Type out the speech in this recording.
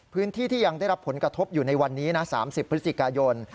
พื้นที่ที่ยังได้รับผลกระทบอยู่ในวันนี้นะ๓๐พฤศจิกายน